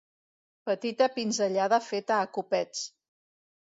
Petita pinzellada feta a copets.